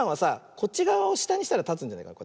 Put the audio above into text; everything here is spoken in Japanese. こっちがわをしたにしたらたつんじゃないかな。